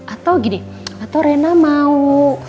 atau gini atau rena mau